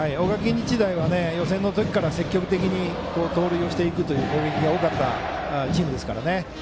日大は予選から積極的に盗塁していくという攻撃が多かったチームですから。